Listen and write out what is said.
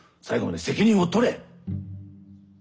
最後まで責任を取れ。